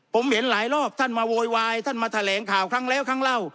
ผมเห็นหลายรอบท่านมาโวยวายท่านมาแถลงข่าวครั้งแล้วครั้งเล่า